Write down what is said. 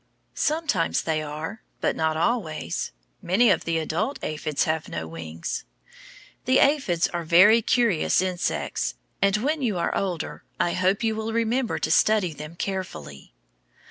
Sometimes they are, but not always. Many of the adult aphids have no wings. The aphids are very curious insects, and when you are older I hope you will remember to study them carefully.